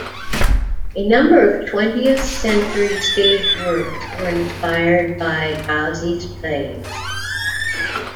A number of twentieth-century stage works were inspired by Gozzi's plays.